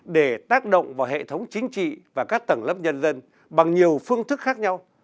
để tác động vào hệ thống chính trị và các tầng lớp nhân dân bằng nhiều phương thức khác nhau